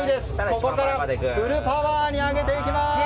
ここからフルパワーに上げていきます。